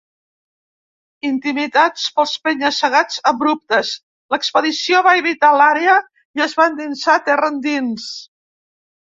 Intimidats pels penya-segats abruptes, l'expedició va evitar l'àrea i es va endinsar terra endins.